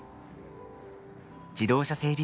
自動車整備